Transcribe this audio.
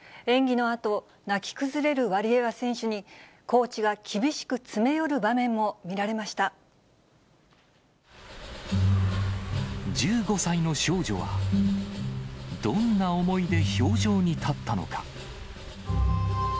演技のあと、泣き崩れるワリエワ選手に、コーチが厳しく詰め寄る場面も見１５歳の少女は、どんな思いで氷上に立ったのか。